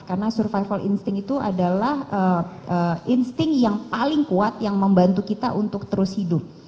karena survival instinct itu adalah insting yang paling kuat yang membantu kita untuk terus hidup